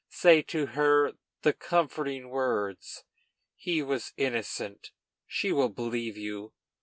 Say to her the comforting words, 'He was innocent!' She will believe you.